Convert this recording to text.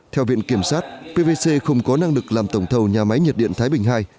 theo viện kiểm sát pvc không có năng lực làm tổng thầu nhà máy nhiệt điện thái bình ii